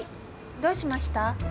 どうしました？